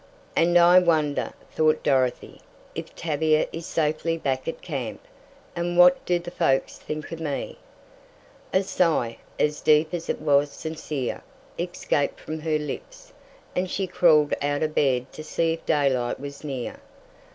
"And I wonder," thought Dorothy, "if Tavia is safely back at camp? And what do the folks think of me?" A sigh, as deep as it was sincere, escaped from her lips, and she crawled out of bed to see if daylight was near.